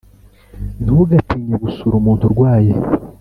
Ntugatinye gusura umuntu urwaye,